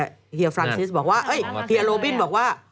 คนนี้นะฮะเหยียฟรานซิสบอกว่าเหยียร์โลบิ้นบอกว่า